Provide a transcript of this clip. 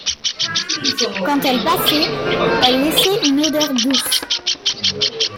Quand elle passait, elle laissait une odeur douce.